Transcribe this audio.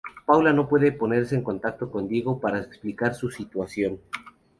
Paula no puede ponerse en contacto con Diego para explicar su situación.